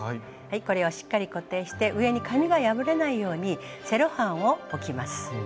これをしっかり固定して上に紙が破れないようにセロハンを置きます。